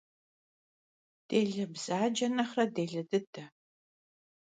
Dêle bzace nexhre dêle dıde.